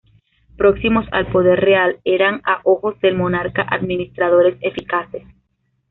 Próximos al poder real, eran a ojos del monarca administradores eficaces.